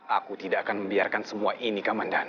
aku tidak akan membiarkan semua ini ke mandano